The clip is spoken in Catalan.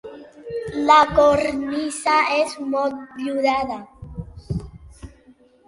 La cornisa és motllurada.